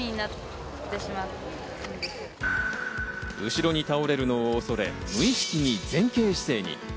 後ろに倒れるのを恐れ、無意識に前傾姿勢に。